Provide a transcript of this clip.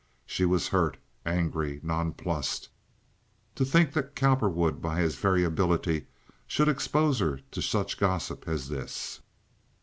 She was hurt, angry, nonplussed. To think that Cowperwood by his variability should expose her to such gossip as this!